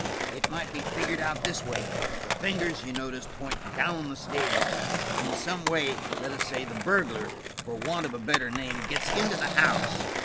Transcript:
It might be figured out this way. The fingers, you notice, point down the stairs. In some way, let us say, the burglar, for want of a better name, gets into the house.